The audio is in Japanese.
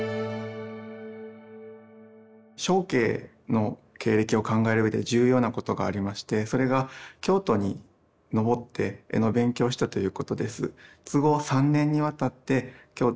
祥啓の経歴を考えるうえで重要なことがありましてそれが京都に上って絵の勉強をしたということです。